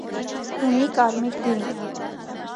Ունի կարմիր գույն։